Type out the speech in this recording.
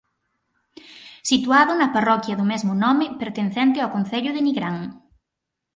Situado na parroquia do mesmo nome pertencente ao concello de Nigrán.